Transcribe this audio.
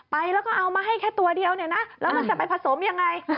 ไปแล้วก็เอามาให้แค่ตัวเดียวเนี่ยนะแล้วมันจะไปผสมยังไง